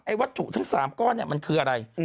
วัตถุทั้ง๓ก้อนมันคืออะไร